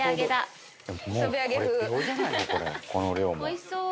おいしそう！